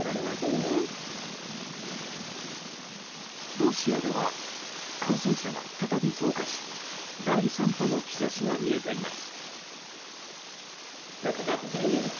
ロシアでは感染者が再び増加し第３波の兆しが見えています。